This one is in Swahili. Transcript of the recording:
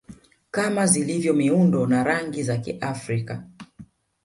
kama zilivyo miundo na rangi za Kiafrika